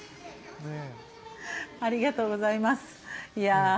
ありがとうございます。